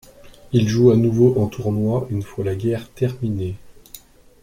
Il joue à nouveau en tournoi une fois la guerre terminée.